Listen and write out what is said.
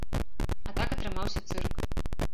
А так атрымаўся цырк.